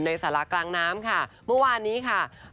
สารากลางน้ำค่ะเมื่อวานนี้ค่ะ